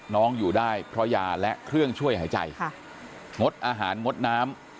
อยู่ได้เพราะยาและเครื่องช่วยหายใจงดอาหารงดน้ำ